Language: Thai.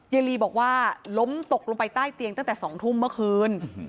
ยายลีบอกว่าล้มตกลงไปใต้เตียงตั้งแต่๒ทุ่มเมื่อคืน